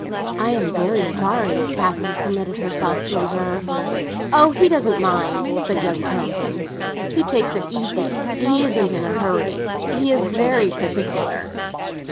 "I am very sorry," Catherine permitted herself to observe. "Oh, he doesn't mind," said young Townsend. "He takes it easy—he isn't in a hurry. He is very particular."